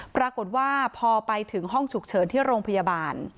ปรากฏว่าพอไปถึงห้องฉุกเฉินที่โรงพยาบาล